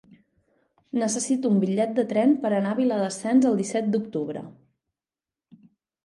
Necessito un bitllet de tren per anar a Viladasens el disset d'octubre.